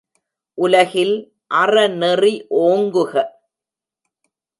உலகில் அறநெறி ஓங்குக!